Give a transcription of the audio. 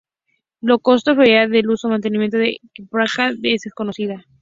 La costo-efectividad del uso mantenido de la quiropráctica es desconocida.